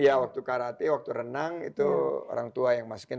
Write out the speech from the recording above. iya waktu karate waktu renang itu orang tua yang masukin